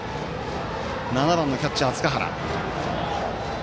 ７番のキャッチャー、塚原。